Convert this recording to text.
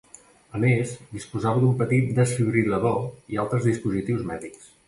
A més, disposava d'un petit desfibril·lador i altres dispositius mèdics.